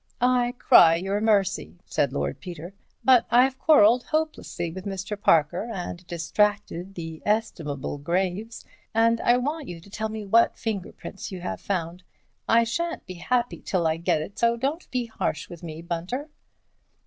"I cry you mercy," said Lord Peter, "but I've quarrelled hopelessly with Mr. Parker and distracted the estimable Graves, and I want you to tell me what finger prints you have found. I shan't be happy till I get it, so don't be harsh with me, Bunter."